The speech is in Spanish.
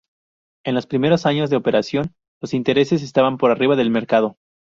En los primeros años de operación, los intereses estaban por arriba del mercado.